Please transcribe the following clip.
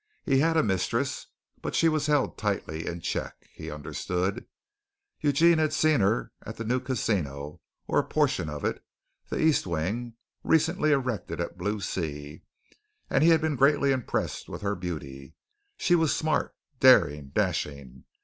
He had a mistress, but she was held tightly in check, he understood. Eugene had seen her at the new casino, or a portion of it, the East Wing, recently erected at Blue Sea, and he had been greatly impressed with her beauty. She was smart, daring, dashing.